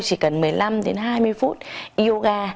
chỉ cần một mươi năm hai mươi phút yoga